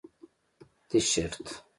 👕 تیشرت